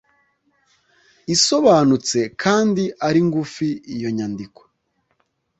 isobanutse kandi ari ngufi Iyo nyandiko